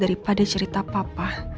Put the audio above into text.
daripada cerita papa